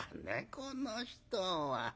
この人は。